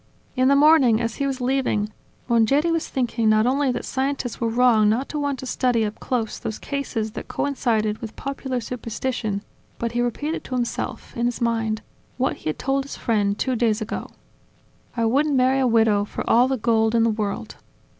In the morning, as he was leaving, Mongeri was thinking not only that scientists were wrong not to want to study up close those cases that coincided with popular superstition, but he repeated to himself, in his mind, what he had told his friend two days ago: I wouldn't marry a widow for all the gold in the world.